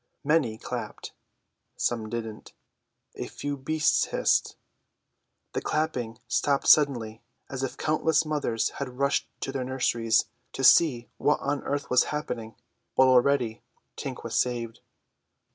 Many clapped. Some didn't. A few beasts hissed. The clapping stopped suddenly; as if countless mothers had rushed to their nurseries to see what on earth was happening; but already Tink was saved.